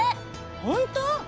本当？